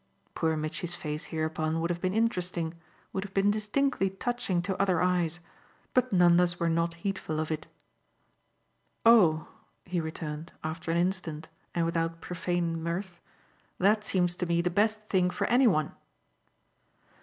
Poor Mitchy's face hereupon would have been interesting, would have been distinctly touching to other eyes; but Nanda's were not heedful of it. "Oh," he returned after an instant and without profane mirth, "that seems to me the best thing for any one."